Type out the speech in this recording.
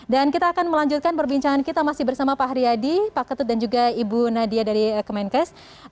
dan kita akan melanjutkan perbincangan kita masih bersama pak hryadi pak ketut dan juga ibu nadia dari kemenkes